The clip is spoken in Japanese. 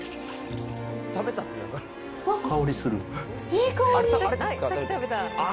いい香り。